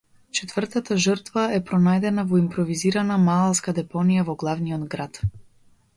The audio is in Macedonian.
Четвртата жртва е пронајдена во импровизирана маалска депонија во главниот град.